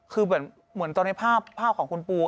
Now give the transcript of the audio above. คือเหมือนตอนในภาพของคุณปู